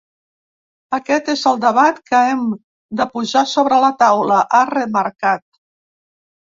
Aquest és el debat que hem de posar sobre la taula, ha remarcat.